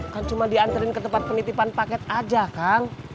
kan cuma dianterin ke tempat penitipan paket aja kang